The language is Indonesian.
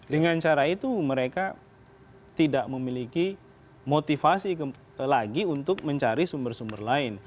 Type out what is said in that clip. dengan cara itu mereka tidak memiliki motivasi lagi untuk mencari sumber sumber lain